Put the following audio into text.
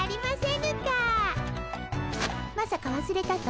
まさかわすれたと？